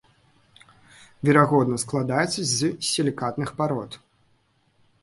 Верагодна складаецца з сілікатных парод.